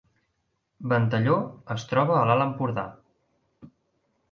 Ventalló es troba a l’Alt Empordà